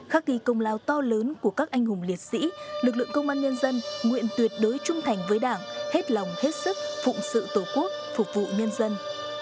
khắc ghi công lao to lớn của các anh hùng liệt sĩ lực lượng công an nhân dân nguyện tuyệt đối trung thành với đảng hết lòng hết sức phụng sự tổ quốc phục vụ nhân dân